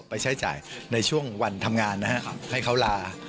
ไปใช้จ่ายในช่วงวันทำงานนะครับให้เขาลา